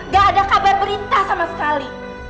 gak ada kabar perintah sama sekali